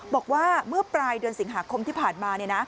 บอกว่าเมื่อปลายเดือนสิงหาคมที่ผ่านมา